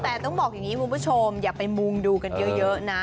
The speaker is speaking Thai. แต่ต้องบอกอย่างนี้คุณผู้ชมอย่าไปมุงดูกันเยอะนะ